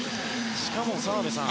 しかも、澤部さん